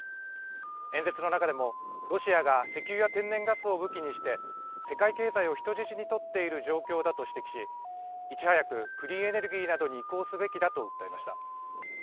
演説の中でも、ロシアが石油や天然ガスを武器にして、世界経済を人質に取っている状況だと指摘し、いち早くクリーンエネルギーなどに移行すべきだと訴えました。